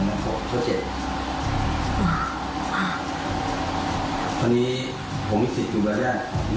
อันนี้ก็เป็นหมอของของฮาคมือลูน